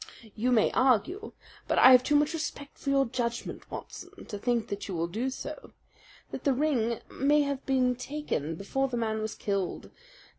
"You may argue but I have too much respect for your judgment, Watson, to think that you will do so that the ring may have been taken before the man was killed.